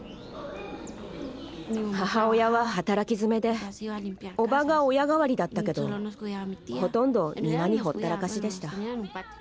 母親は働きづめで叔母が親代わりだったけどほとんど庭にほったらかしでした。